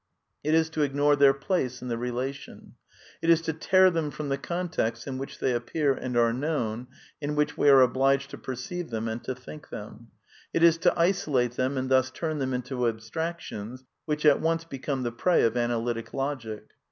It is to ignore their place in the relation. It is to tear them from the con text in which they appear and are known, in which we are obliged to perceive them and to think them ; it is to isolate them and thus turn them into abstractions which at once become the prey of Analytic Logic.